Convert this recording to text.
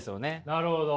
なるほど。